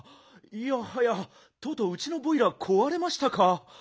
いやはやとうとううちのボイラーこわれましたか。